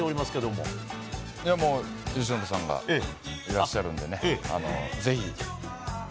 もう、由伸さんがいらっしゃるんでね、ぜひ。